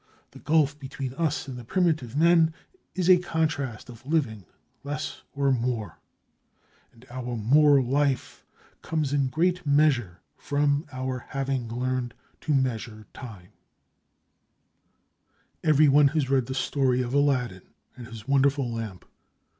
The gulf between us and the primitive men is a contrast of living less or more, and our more life comes in great measure from our having learned to measure time. Everyone has read the story of Aladdin and his wonderful lamp.